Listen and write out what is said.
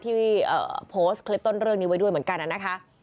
ที่โพสต์คลิปต้นเรื่องนี้ไว้ด้วยเหมือนกันนะคะ